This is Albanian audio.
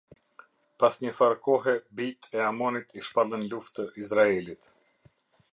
Pas një farë kohe bijtë e Amonit i shpallën luftë Izraelit.